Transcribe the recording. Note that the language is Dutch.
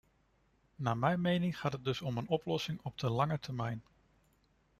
Naar mijn mening gaat het dus om een oplossing op de lange termijn.